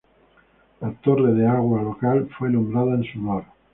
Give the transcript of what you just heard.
La torre de agua local fue nombrada en su honor.